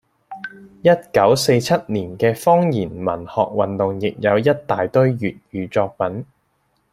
一九四七年嘅方言文學運動亦有一大堆粵語作品